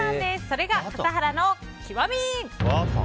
それが笠原の極み！